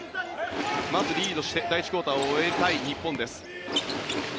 まずリードして第１クオーターを終えたい日本です。